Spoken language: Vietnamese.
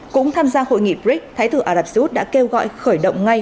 cũng tham gia hội nghị bric thái thử ả rập xê út đã kêu gọi khởi động ngay